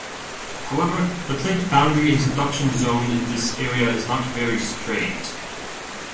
However, the plate boundary and subduction zone in this area is not very straight.